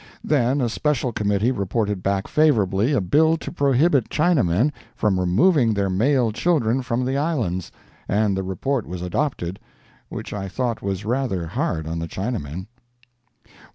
Then a special Committee reported back favorably a bill to prohibit Chinamen from removing their male children from the islands, and the report was adopted—which I thought was rather hard on the Chinamen.